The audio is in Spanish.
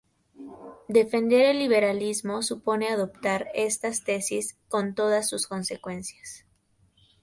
Defender el liberalismo supone adoptar estas tesis con todas sus consecuencias.